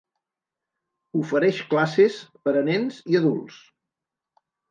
Ofereix classes per a nens i adults.